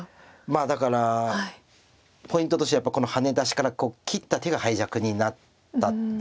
まあだからポイントとしてはやっぱりハネ出しから切った手が敗着になったんですよね。